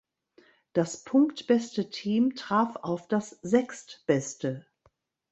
Das punktbeste Team traf auf das sechstbeste.